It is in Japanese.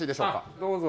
どうぞ。